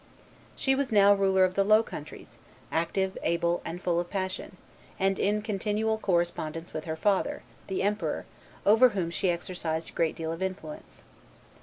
She was ruler of the Low Countries, active, able, full of passion, and in continual correspondence with her father, the emperor, over whom she exercised a great deal of influence.